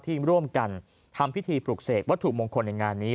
ที่ร่วมกันทำพิธีปลุกเสกวัตถุมงคลในงานนี้